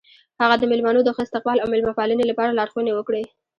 هغه د میلمنو د ښه استقبال او میلمه پالنې لپاره لارښوونې وکړې.